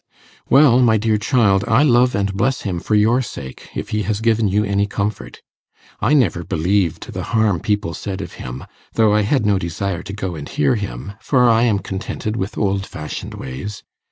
'Well, my dear child, I love and bless him for your sake, if he has given you any comfort. I never believed the harm people said of him, though I had no desire to go and hear him, for I am contented with old fashioned ways.